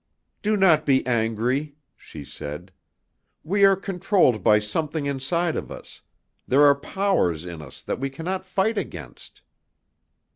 "Do not be angry," she said. "We are controlled by something inside of us; there are powers in us that we cannot fight against."